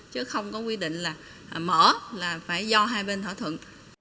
chứ không có quy định là mở là phải do hai bên thỏa thuận